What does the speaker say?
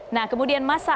nah kemudian masalahnya